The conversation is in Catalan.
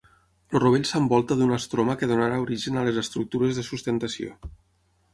El rovell s'envolta d'un estroma que donarà origen a les estructures de sustentació.